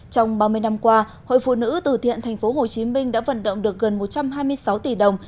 trong ba mươi năm qua hội phụ nữ từ thiện tp hcm đã vận động được gần một trăm hai mươi sáu tỷ đồng